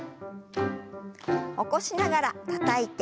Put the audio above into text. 起こしながらたたいて。